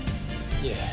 いえ